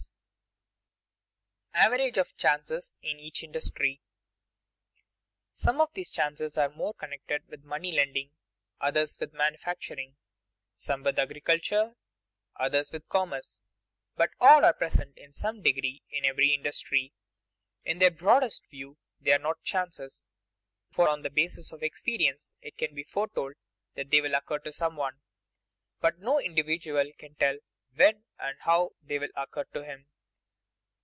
[Sidenote: Average of chances in each industry] Some of these chances are more connected with money lending, others with manufacturing; some with agriculture, others with commerce; but all are present in some degree in every industry. In the broadest view they are not chances, for on the basis of experience it can be foretold that they will occur to some one; but no individual can tell when and how they will occur to him.